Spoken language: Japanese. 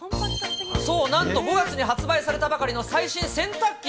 そう、なんと５月に発売されたばかりの最新洗濯機。